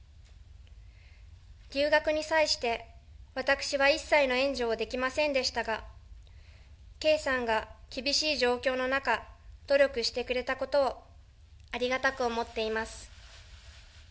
留学に際して、私は一切の援助をできませんでしたが、圭さんが、厳しい状況の中、努力してくれたことをありがたく思っています。